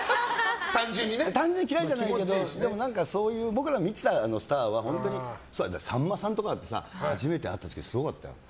単純に嫌いじゃないけどでもそういう僕らの見てたスターはさんまさんとかって初めて会った時すごかったよ。